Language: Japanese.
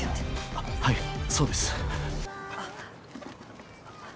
あっはいそうです。